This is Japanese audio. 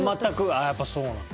ああやっぱそうなんだ。